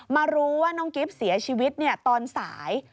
มารู้ว่าน้องกิฟต์เสียชีวิตตอนสาย